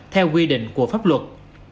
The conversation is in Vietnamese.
theo quy định của pháp luật